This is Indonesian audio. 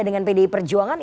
dengan pdi perjuangan